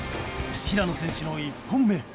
平野選手の１本目。